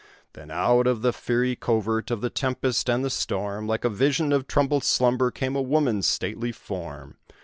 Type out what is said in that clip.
Then out of the fiery covert of the tempest and the storm, Like a vision of troubled slumber, came a woman's stately form.